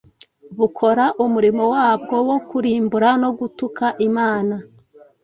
bukora umurimo wabwo wo kurimbura no gutuka Imana.